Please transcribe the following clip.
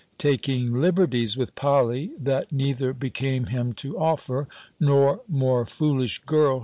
taking liberties with Polly, that neither became him to offer, nor, more foolish girl!